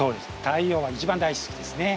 太陽は一番大好きですね。